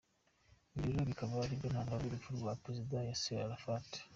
Ibi rero bikaba ariyo ntandaro y’urupfu rwa Perezida Yasser Arafat.